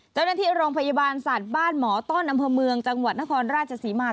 เจ้าหน้าที่โรงพยาบาลสัตว์บ้านหมอต้อนอำเภอเมืองจังหวัดนครราชศรีมา